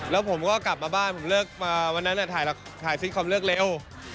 แล้วผมก็กลับมาบ้านผมเลิกมาวันนั้นถ่ายซิตคอมเลิกเร็ว